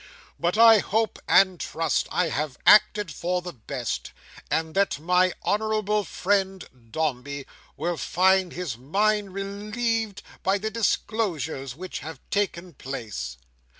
But I hope and trust I have acted for the best, and that my honourable friend Dombey will find his mind relieved by the disclosures which have taken place.